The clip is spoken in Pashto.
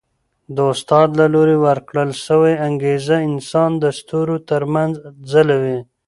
د استاد له لوري ورکړل سوی انګېزه انسان د ستورو تر منځ ځلوي.